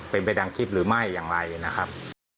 เป็นไปตามคลิปหรือไม่อย่างไรนะครับ